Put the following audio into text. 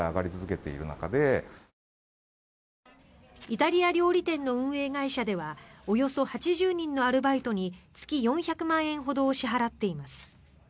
イタリア料理店の運営会社ではおよそ８０人のアルバイトに月４００万円ほどを支払っています。